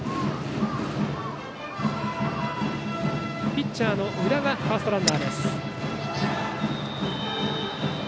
ピッチャーの宇田がファーストランナーです。